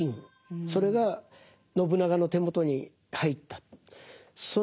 それが信長の手元に入った。